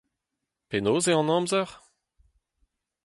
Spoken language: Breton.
Penaos eo an amzer ?